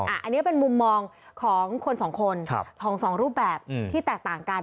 อันนี้เป็นมุมมองของคนสองคนของสองรูปแบบที่แตกต่างกัน